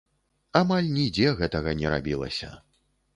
Амаль нідзе гэтага не рабілася.